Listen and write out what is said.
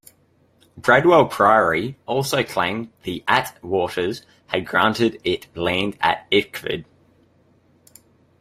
Bradwell Priory also claimed the atte Waters had granted it land at Ickford.